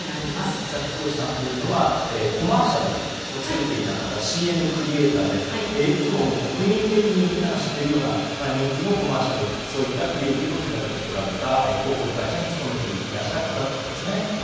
佐々木宏さんというのはコマーシャルを作っていた方ＣＭクリエーターでいくつも国民的にみんなが知っているような人気のコマーシャルそういったクリエーティブを手掛けてこられた、広告会社に務めていらした方ということです。